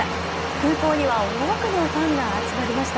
空港には多くのファンが集まりました。